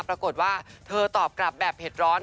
ปรากฏว่าเธอตอบกลับแบบเผ็ดร้อน